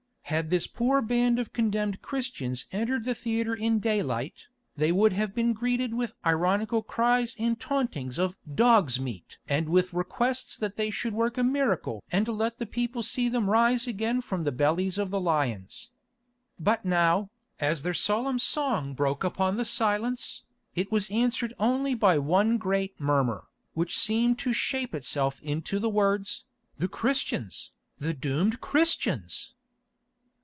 Had this poor band of condemned Christians entered the theatre in daylight, they would have been greeted with ironical cries and tauntings of "Dogs' meat!" and with requests that they should work a miracle and let the people see them rise again from the bellies of the lions. But now, as their solemn song broke upon the silence, it was answered only by one great murmur, which seemed to shape itself to the words, "the Christians! The doomed Christians!"